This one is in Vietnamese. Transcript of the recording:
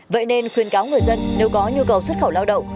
vậy nên khuyên cáo người dân nếu có nhu cầu xuất khẩu lao động